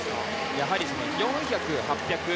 やはり４００ｍ、８００ｍ